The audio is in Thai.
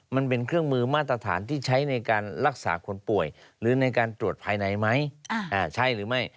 มันเป็นเครื่องมือมาตรฐานที่ใช้ในการรักษาคนป่วยหรือในการตรวจภายในไหมใช่หรือไม่